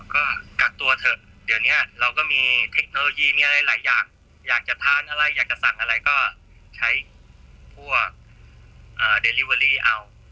ก็กักตัวเถอะเดี๋ยวนี้เราก็มีเทคโนโลยีมีอะไรหลายอย่างอยากจะทานอะไรอยากจะสั่งอะไรก็ใช้พวกเดลิเวอรี่เอา